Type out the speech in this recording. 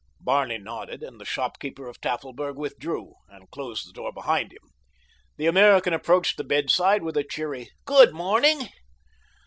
Barney nodded, and the shopkeeper of Tafelberg withdrew and closed the door behind him. The American approached the bedside with a cheery "Good morning."